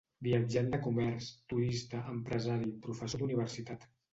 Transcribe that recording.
Viatjant de comerç, turista, empresari, professor d'universitat...